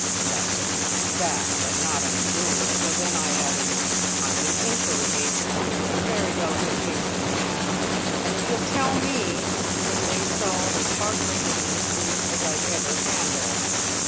'" "That took him aback, but not unduly; so then I added, 'I'm an inquiry agent with a very delicate case in hand, and if you'll tell me it may solve at heart breaking a mystery as I've ever handled.